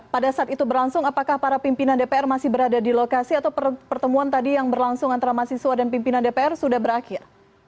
pada saat itu berlangsung apakah para pimpinan dpr masih berada di lokasi atau pertemuan tadi yang berlangsung antara mahasiswa dan pimpinan dpr sudah berakhir